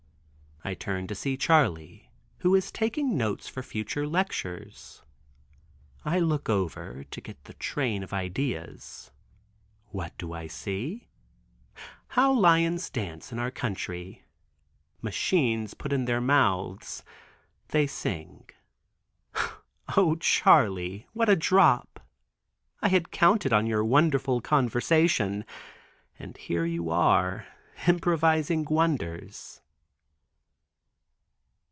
I turn to see Charley who is taking notes for future lectures. I look over to get the train of ideas. What do I see—"How lions dance in our country; machines put in their mouths, they sing." "O Charley, what a drop. I had counted on your wonderful conversion, and here are you improvising wonders."